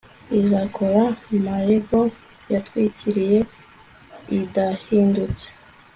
izakora, marble yatwikiriye idahindutse